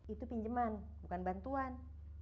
itu pinjeman bukan bantuan